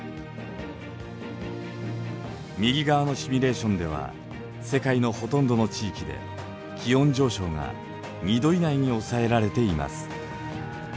右側のシミュレーションでは世界のほとんどの地域で気温上昇が２℃以内に抑えられています。